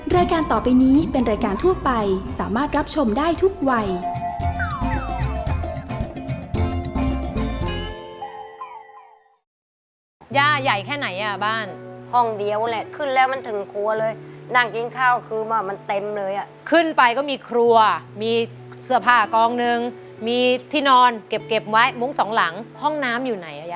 รายการต่อไปนี้เป็นรายการทั่วไปสามารถรับชมได้ทุกวัย